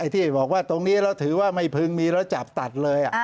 ที่บอกว่าตรงนี้เราถือว่าไม่พึงมีแล้วจับตัดเลย